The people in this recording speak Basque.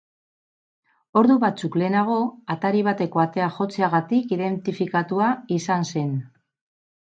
Ordu batzuk lehenago, atari bateko atea jotzeagatik identifikatua izan zen.